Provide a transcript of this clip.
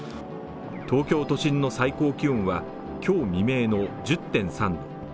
東京都心の最高気温は今日未明の１０．３度。